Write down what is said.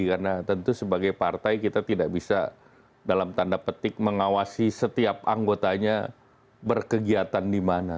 karena tentu sebagai partai kita tidak bisa dalam tanda petik mengawasi setiap anggotanya berkegiatan di mana